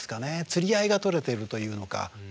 釣り合いが取れてるというのか。